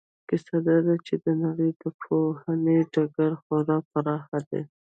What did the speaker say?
کیسه دا ده چې د نړۍ د پوهنې ډګر خورا پراخ دی.